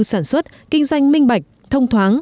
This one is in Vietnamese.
sản xuất kinh doanh minh bạch thông thoáng